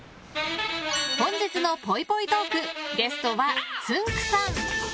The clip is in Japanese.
本日のぽいぽいトークゲストは、つんく♂さん。